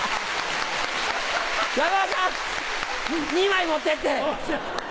２枚持ってって！